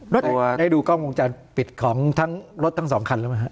ได้ดูกล้องวงจรปิดของทั้งรถทั้งสองคันแล้วไหมฮะ